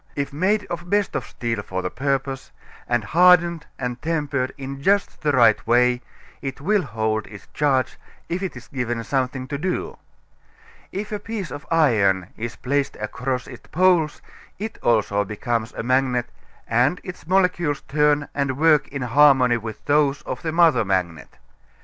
If made of the best of steel for the purpose and hardened and tempered in just the right way, it will hold its charge if it is given something to do. If a piece of iron is placed across its poles it also becomes a magnet and its molecules turn and work in harmony with those of the mother magnet.